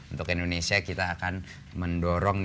untuk indonesia kita akan mendorong